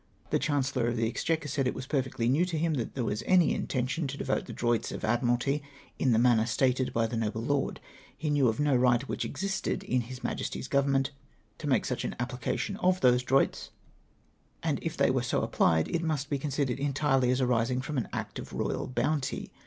" The CiiANCELLoii of the Exchequer said it Avas perfectly new to him that tliere was any intention to devote tlie Droits ol Admiralty in the manner stated by the noble lord. He knew of no right which existed in His Majesty's Government DROITS OF ADMIRALTY. 275 to make such an application of those Droits, and if they were so applied, it must he considered entirely as arising from an act of royal bounty.